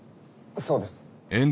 そうです。